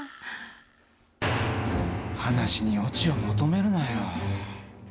話にオチを求めるなよ。